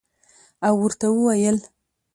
او ورته ووېل